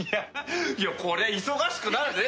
いやこりゃ忙しくなるね！